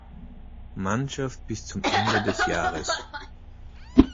Mannschaft bis zum Ende des Jahres.